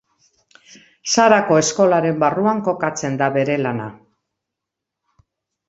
Sarako Eskolaren barruan kokatzen da bere lana.